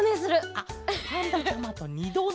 あっパンダちゃまとにどね。